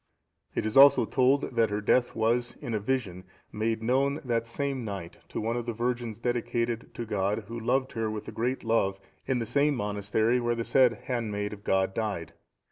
It is also told, that her death was, in a vision, made known the same night to one of the virgins dedicated to God, who loved her with a great love, in the same monastery where the said handmaid of God died.